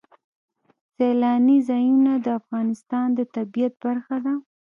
سیلانی ځایونه د افغانستان د طبیعت برخه ده.